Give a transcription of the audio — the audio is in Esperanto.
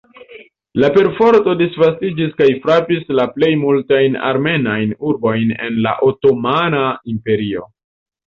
La perforto disvastiĝis kaj frapis la plej multajn armenajn urbojn en la Otomana Imperio.